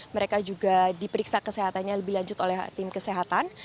mereka juga diperiksa kesehatannya lebih lanjut oleh tim kesehatan